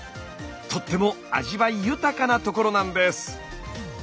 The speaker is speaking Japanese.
とっても味わい豊かなところなんです。